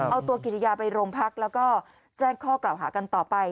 เอาตัวกิริยาไปโรงพักแล้วก็แจ้งข้อกล่าวหากันต่อไป